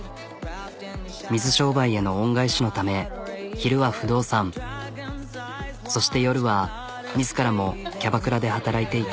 水商売への恩返しのため昼は不動産そして夜は自らもキャバクラで働いていた。